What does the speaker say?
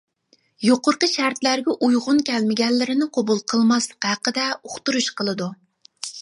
يۇقىرىقى شەرتلەرگە ئۇيغۇن كەلمىگەنلىرىنى قوبۇل قىلماسلىق ھەققىدە ئۇقتۇرۇش قىلىدۇ.